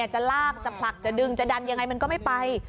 จะลากจะผลักจะดึงจะดันยังไงมันก็ไม่ไป